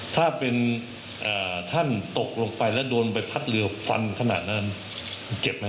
ถ้าเป็นท่านตกลงไปแล้วโดนใบพัดเรือฟันขนาดนั้นเจ็บไหม